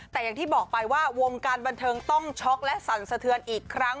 แต่อย่างที่บอกไปว่าวงการบันเทิงต้องช็อกและสั่นสะเทือนอีกครั้ง